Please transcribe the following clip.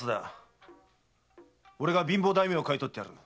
俺が貧乏大名を買い取ってやる。